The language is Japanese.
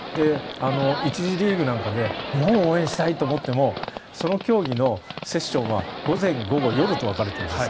１次リーグなんかで日本を応援したいと思ってもその競技のセッションは午前、午後、夜と分かれているんです。